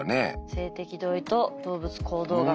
「性的同意と動物行動学」。